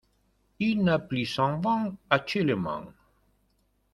Il n'est plus en vente actuellement.